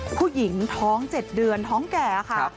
ผู้หญิงท้อง๗เดือนท้องแก่ค่ะ